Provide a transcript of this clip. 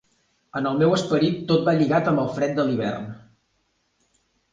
En el meu esperit tot va lligat amb el fred de l'hivern